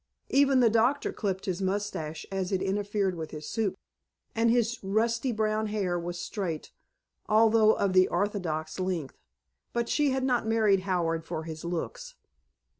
Even the doctor clipped his moustache as it interfered with his soup, and his rusty brown hair was straight, although of the orthodox length. But she had not married Howard for his looks!